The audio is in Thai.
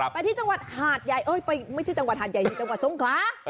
ไปที่จังหวัดหาดใหญ่เอ้ยไม่ใช่จังหวัดหาดใหญ่อยู่จังหวัดทรงคลา